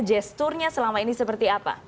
gesturnya selama ini seperti apa